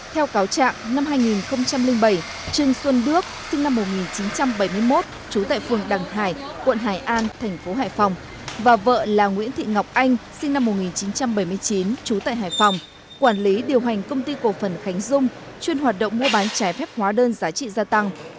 theo cáo trạng năm hai nghìn bảy trương xuân bước sinh năm một nghìn chín trăm bảy mươi một trú tại phường đằng hải quận hải an thành phố hải phòng và vợ là nguyễn thị ngọc anh sinh năm một nghìn chín trăm bảy mươi chín trú tại hải phòng quản lý điều hành công ty cổ phần khánh dung chuyên hoạt động mua bán trái phép hóa đơn giá trị gia tăng